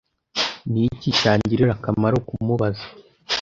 Niki cyangirira akamaro kumubaza